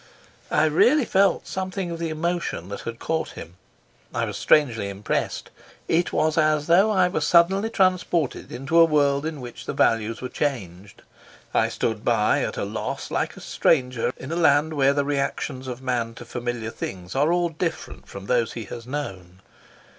I really felt something of the emotion that had caught him. I was strangely impressed. It was as though I were suddenly transported into a world in which the values were changed. I stood by, at a loss, like a stranger in a land where the reactions of man to familiar things are all different from those he has known.